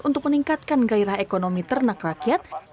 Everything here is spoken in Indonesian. untuk meningkatkan gairah ekonomi ternak rakyat